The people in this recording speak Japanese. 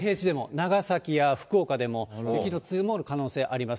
長崎や福岡でも雪の積もる可能性あります。